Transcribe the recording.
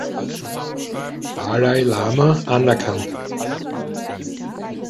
Dalai Lama, anerkannt.